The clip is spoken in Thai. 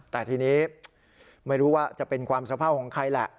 แต่ที่นี้ไม่รู้จะเป็นความสาธารณีของใครแหละ